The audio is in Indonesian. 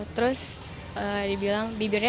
terus dibilang bibirnya